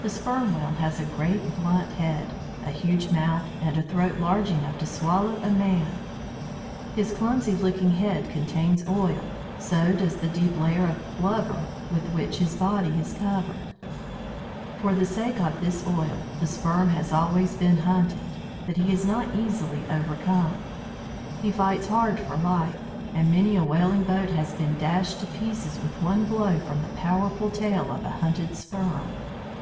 The Sperm Whale has a great, blunt head, a huge mouth, and a throat large enough to swallow a man. His clumsy looking head contains oil, so does the deep layer of blubber with which his body is covered. For the sake of this oil, the Sperm has always been hunted. But he is not easily overcome. He fights hard for life; and many a whaling boat has been dashed to pieces with one blow from the powerful tail of a hunted Sperm.